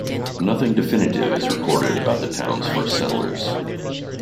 Nothing definitive is recorded about the town's first settlers.